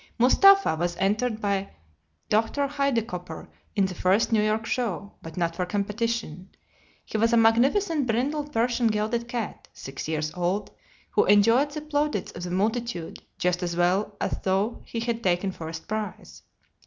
Mustapha was entered by Dr. Huidekoper in the first New York show, but not for competition. He was a magnificent brindled Persian gelded cat, six years old, who enjoyed the plaudits of the multitude just as well as though he had taken first prize.